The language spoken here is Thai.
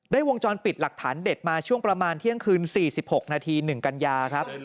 วงจรปิดหลักฐานเด็ดมาช่วงประมาณเที่ยงคืน๔๖นาที๑กันยาครับ